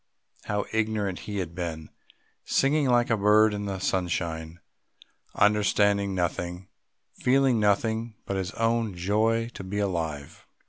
How ignorant he had been, singing like a bird in the sunshine, understanding nothing, feeling nothing but his own joy to be alive!